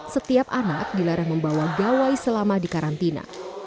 setiap anak dilarang membawa gawai selama dikarantina